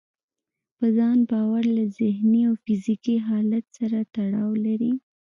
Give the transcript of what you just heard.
په ځان باور له ذهني او فزيکي حالت سره تړاو لري.